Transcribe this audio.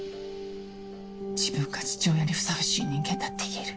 自分が父親にふさわしい人間だっていえる？